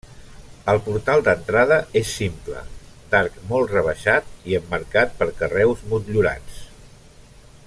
El portal d'entrada és simple, d'arc molt rebaixat i emmarcat per carreus motllurats.